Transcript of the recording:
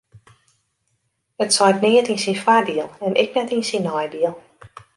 It seit neat yn syn foardiel en ek net yn syn neidiel.